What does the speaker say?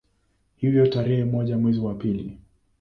Hivyo tarehe moja mwezi wa pili